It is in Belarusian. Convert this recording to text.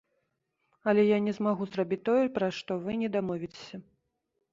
Але я не змагу зрабіць тое, пра што вы не дамовіцеся.